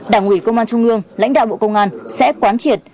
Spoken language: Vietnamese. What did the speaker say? đảng ủy công an trung ương lãnh đạo bộ công an sẽ quán triệt